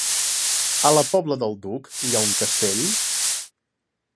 A la Pobla del Duc hi ha un castell?